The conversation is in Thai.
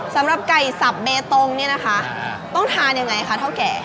สำหรับไก่สับเบตงเนี่ยนะคะต้องทานยังไงคะเท่าแก่